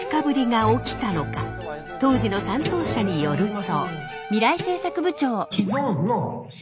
当時の担当者によると。